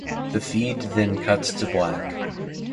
The feed then cuts to black.